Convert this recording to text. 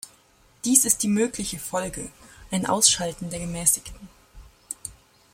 Dies ist die mögliche Folge, ein Ausschalten der Gemäßigten.